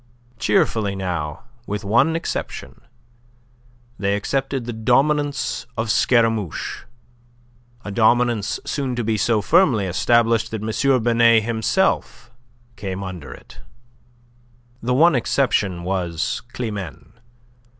Cheerfully now with one exception they accepted the dominance of Scaramouche, a dominance soon to be so firmly established that M. Binet himself came under it. The one exception was Climene.